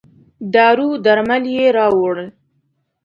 دارو درمل یې راووړل.